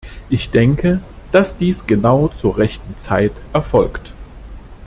Ich denke, dass dies genau zur rechten Zeit erfolgt.